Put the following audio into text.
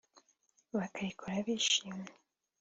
bakayikora bishimye